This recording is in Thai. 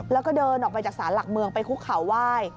แล้วก็เดินออกไปจากศาลหลักเมืองไปคุกเขาไหว้